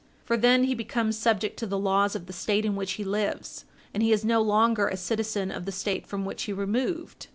For then he becomes subject to the laws of the State in which he lives, and he is no longer a citizen of the State from which he removed.